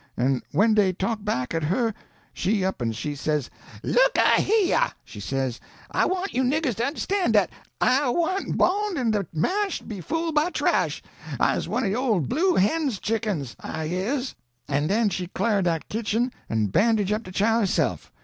An' when dey talk' back at her, she up an' she says, 'Look a heah!' she says, 'I want you niggers to understan' dat I wa'n't bawn in de mash be fool' by trash! I's one o' de ole Blue Hen's chickens, I is!' an' den she clar' dat kitchen an' bandage' up de chile herse'f.